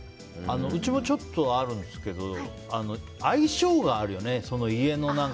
うちもちょっとあるんですけど相性があるよね、その家の。